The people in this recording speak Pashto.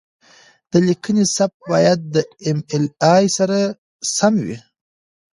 د لیکنې سبک باید د ایم ایل اې سره سم وي.